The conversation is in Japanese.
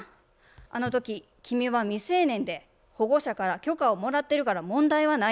「あのとき君は未成年で保護者から許可をもらってるから問題はない。